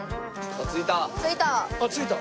あっ着いた。